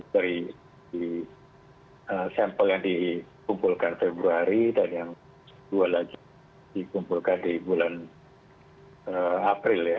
dari sampel yang dikumpulkan februari dan yang dua lagi dikumpulkan di bulan april ya